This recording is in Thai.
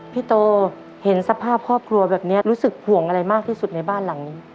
พี่โตเห็นสภาพครอบครัวแบบนี้รู้สึกห่วงอะไรมากที่สุดในบ้านหลังนี้